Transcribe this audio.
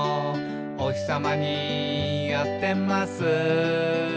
「おひさまに当てます」